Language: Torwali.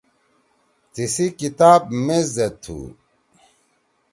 تیِسی کتاب میز زید تُھو۔